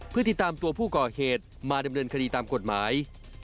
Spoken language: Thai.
เพื่อติดตามตัวผู้ก่อเหตุมาดำเนินคดีตามกฎหมาย